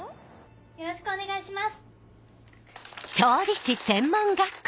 よろしくお願いします。